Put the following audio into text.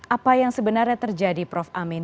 apa yang sebenarnya terjadi prof amin